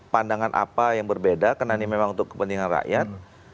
pandangan apa yang berbeda karena ini memang untuk kepentingan rakyat